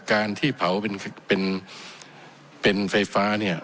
การที่เผาเป็นเป็นไฟฟ้าเนี่ย